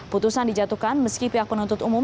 putusan dijatuhkan meski pihak penuntut umum